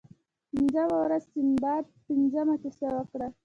پنځمه ورځ سنباد پنځمه کیسه وکړه.